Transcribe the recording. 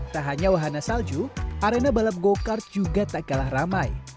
tak hanya wahana salju arena balap go kart juga tak kalah ramai